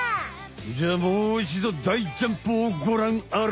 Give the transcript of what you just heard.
じゃあもういちどだいジャンプをごらんあれ。